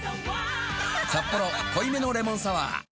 「サッポロ濃いめのレモンサワー」